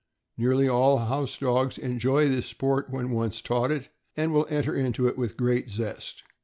Nearly all house dogs enjoy this sport when once taught it, and will enter into it with great zest.